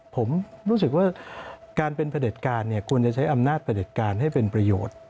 ผมรู้สึกว่าการเป็นประเด็จการเนี่ยควรจะใช้อำนาจประเด็จการให้เป็นประโยชน์